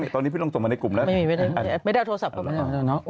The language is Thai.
ตอนนี้พี่น้องส่งมาในกลุ่มแล้ว